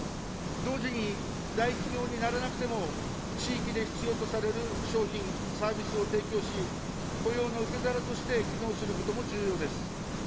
同時に、大企業にならなくても、地域で必要とされる商品・サービスを提供し、雇用の受け皿として機能することも重要です。